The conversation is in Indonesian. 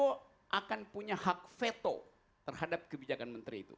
jokowi akan punya hak veto terhadap kebijakan menteri itu